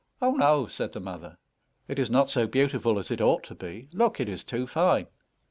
"Oh, no," said the mother; "it is not so beautiful as it ought to be. Look, it is too fine."